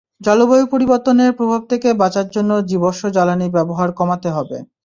জলবায়ু পরিবর্তনের প্রভাব থেকে বাঁচার জন্য জীবশ্ম জ্বালানি ব্যবহার কমাতে হবে।